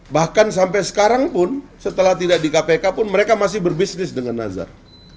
bahkan sampai sekarang pun setelah tidak di kpk pun mereka masih berbisnis dengan nazar